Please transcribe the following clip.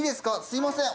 すいません。